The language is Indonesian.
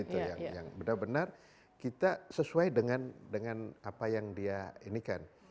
itu yang benar benar kita sesuai dengan apa yang dia inikan